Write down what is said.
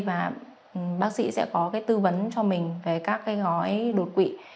và bác sĩ sẽ có cái tư vấn cho mình về các cái gói đột quỵ